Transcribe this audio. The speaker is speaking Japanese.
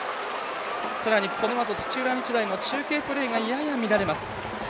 さらに、このあと土浦日大の中継プレーがやや乱れます。